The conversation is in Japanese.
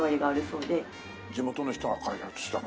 地元の人が開発したの？